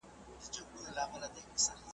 که خوب له وحيو سره مخالف وه، نو د عمل وړ نه دی.